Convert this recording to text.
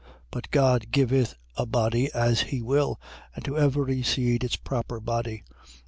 15:38. But God giveth it a body as he will: and to every seed its proper body.